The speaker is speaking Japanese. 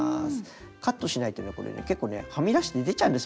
カットしないとね結構ねはみ出して出ちゃうんです